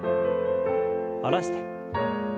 下ろして。